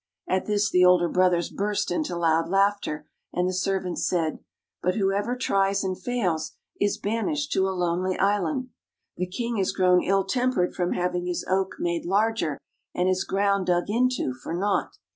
At this the older brothers burst into loud laughter, and the servant said, " But who ever tries and fails, is banished to a lonely island. The King has grown ill tempered from having his oak made larger, and his ground dug into for naught."